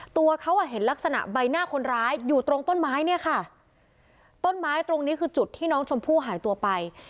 ตัวเขาอ่ะเห็นลักษณะใบหน้าคนร้ายอยู่ตรงต้นไม้เนี่ยค่ะต้นไม้ตรงนี้คือจุดที่น้องชมพู่หายตัวไป